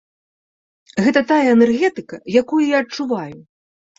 Гэта тая энергетыка, якую я адчуваю.